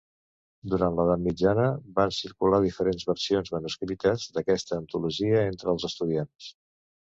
Durant l'edat mitjana, van circular diferents versions manuscrites d'aquesta antologia entre els estudiants.